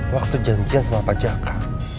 waktu janjian sama pak jaka